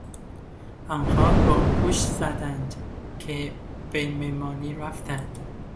آنها رخپوش زدند و به مهمانی رفتند.